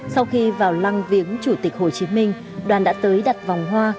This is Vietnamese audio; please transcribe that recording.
sau khi vào lăng viếng chủ tịch hồ chí minh đoàn đã tới đặt vòng hoa